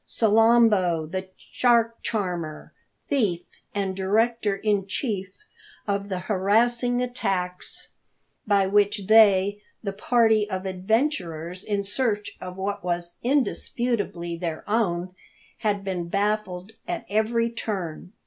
Salambo, the shark charmer, thief, and director in chief of the harassing attacks by which they, the party of adventurers in search of what was indisputably their own, had been baffled at every turn.